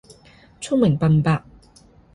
聰明笨伯